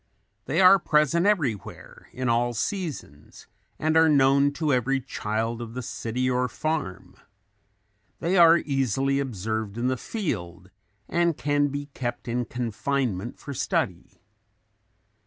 They are present everywhere, in all seasons and are known to every child of the city or farm. They are easily observed in the field and can be kept in confinement for study.